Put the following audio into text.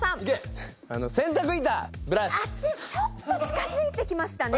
ちょっと近づいて来ましたね